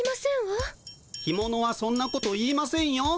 干ものはそんなこと言いませんよ。